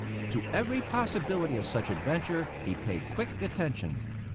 To every possibility of such adventure he paid quick attention.